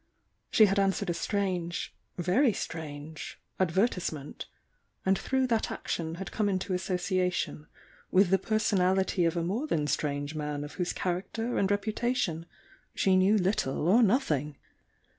She had answered a strange, very strange adver tisement, and through that action had come mto association with the personality of a more than strange man of whose character and reputation she knew little or nothing.